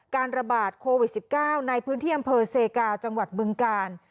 การระบาดโควิด๑๙ในพื้นที่อำเภอเซกาจังหวัดบึงกาล